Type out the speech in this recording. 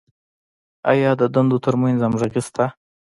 آیا د دندو تر منځ همغږي شته؟